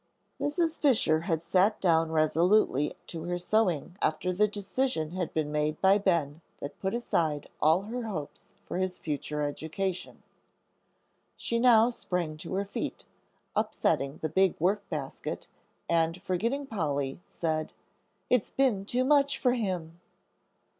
Mrs. Fisher had sat down resolutely to her sewing after the decision had been made by Ben that put aside all her hopes for his future education. She now sprang to her feet, upsetting the big work basket, and forgetting Polly, said, "It's been too much for him."